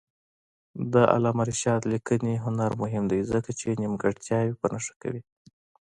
د علامه رشاد لیکنی هنر مهم دی ځکه چې نیمګړتیاوې په نښه کوي.